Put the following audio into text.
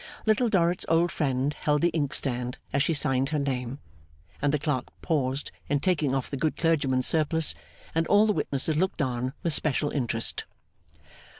Little Dorrit's old friend held the inkstand as she signed her name, and the clerk paused in taking off the good clergyman's surplice, and all the witnesses looked on with special interest.